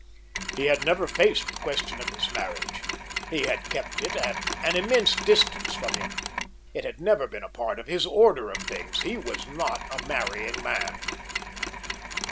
He had never faced the question of his marriage. He had kept it at an immense distance from him. It had never been a part of his order of things. He was not a marrying man.